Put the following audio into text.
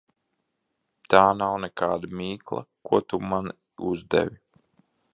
Tā nav nekāda mīkla, ko tu man uzdevi.